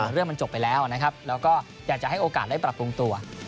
เรื่องมันจบไปแล้วนะครับแล้วก็อยากจะให้โอกาสได้ปรับปรุงตัว